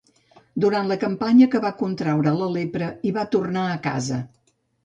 Durant la campanya que va contraure la lepra i va tornar a casa.